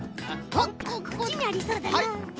おっこっちにありそうだな。